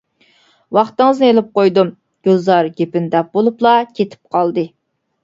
ۋاقتىڭىزنى ئېلىپ قويدۇم، -گۈلزار گېپىنى دەپ بولۇپلا كېتىپ قالدى.